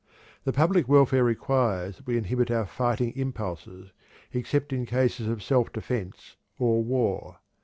The public welfare requires that we inhibit our fighting impulses, except in cases of self defense or war.